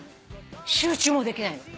集中もできないの。